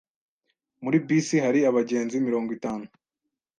Muri bisi hari abagenzi mirongo itanu.